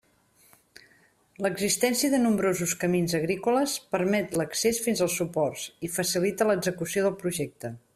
L'existència de nombrosos camins agrícoles permet l'accés fins als suports i facilita l'execució del projecte.